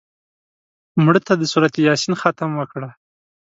مړه ته د سورت یاسین ختم وکړه